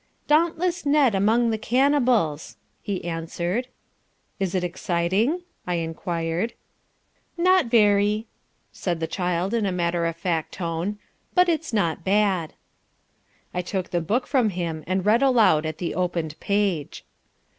"Dauntless Ned among the Cannibals," he answered. "Is it exciting?" I enquired. "Not very," said the child in a matter of fact tone. "But it's not bad." I took the book from him and read aloud at the opened page.